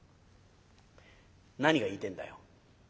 「何が言いてえんだよ」。